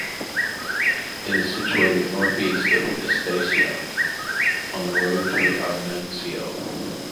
It is situated northeast of Istiaia, on the road to Artemisio.